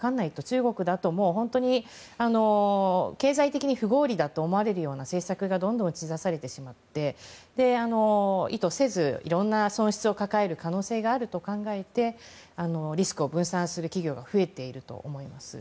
中国だと経済的に不合理だと思われるような政策がどんどん打ち出されてしまって意図せず、いろんな損失を抱える可能性があると考えてリスクを分散させる企業が増えていると思います。